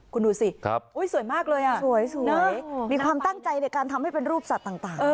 คุณดูสิสวยมากเลยอ่ะสวยมีความตั้งใจในการทำให้เป็นรูปสัตว์ต่าง